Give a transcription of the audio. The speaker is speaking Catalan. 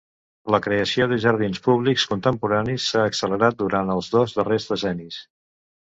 La creació de Jardins Públics contemporanis s'ha accelerat durant els dos darrers decennis.